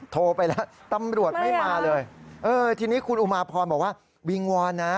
โทรไปแล้วตำรวจไม่มาเลยเออทีนี้คุณอุมาพรบอกว่าวิงวอนนะ